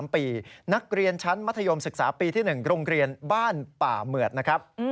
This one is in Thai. ๓ปีนักเรียนชั้นมัธยมศึกษาปีที่๑โรงเรียนบ้านป่าเหมือดนะครับ